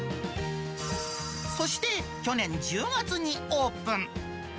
そして、去年１０月にオープン。